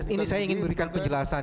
ini saya ingin berikan penjelasan